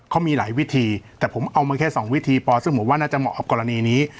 เขามีหลายวิธีแต่ผมเอามาแค่๒วิธีปอซึ่งผมว่าน่าจะเหมาะกับกรณีนี้